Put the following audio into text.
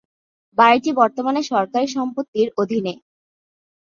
বাড়িটি বর্তমানে সরকারি সম্পত্তির অধীনে।